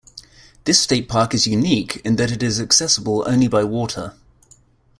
This state park is unique in that it is accessible only by water.